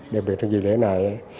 đặc biệt trong dịp lễ này